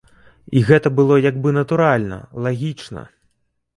І гэта было як бы натуральна, лагічна.